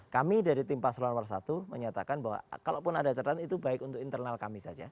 kami dari tim paslon satu menyatakan bahwa kalaupun ada catatan itu baik untuk internal kami saja